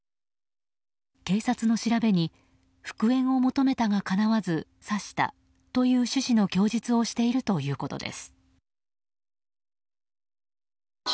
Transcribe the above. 警察の調べに復縁を求めたがかなわず刺したという趣旨の供述をしているということです。